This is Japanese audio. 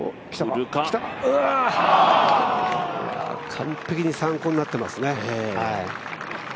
完璧に参考になってますね。